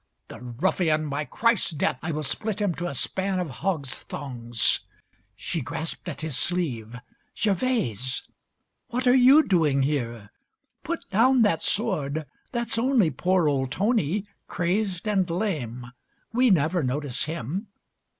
"The ruffian! By Christ's Death! I will split him to a span Of hog's thongs." She grasped at his sleeve, "Gervase! XXXV What are you doing here? Put down that sword, That's only poor old Tony, crazed and lame. We never notice him.